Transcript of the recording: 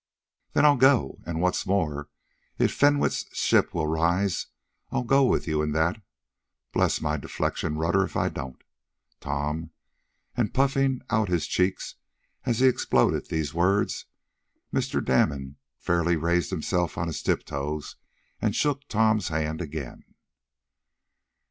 "Then I'll go, and, what's more, if Fenwick's ship will rise, I'll go with you in that bless my deflection rudder if I don't, Tom!" and puffing up his cheeks, as he exploded these words, Mr. Damon fairly raised himself on his tiptoes, and shook Tom's hand again.